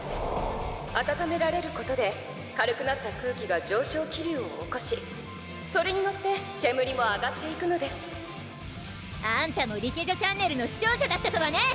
暖められることで軽くなった空気が上昇気流を起こしそれに乗って煙も上がっていくのですあんたも『リケジョｃｈ』の視聴者だったとはね！